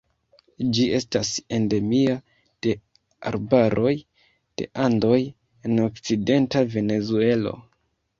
Ĝi estas endemia de arbaroj de Andoj en okcidenta Venezuelo.